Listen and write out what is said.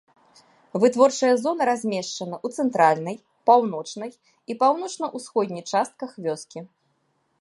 Вытворчая зона размешчана ў цэнтральнай, паўночнай і паўночна-ўсходняй частках вёскі.